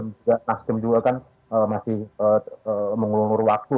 makanya nasdem juga kan masih menguruh waktu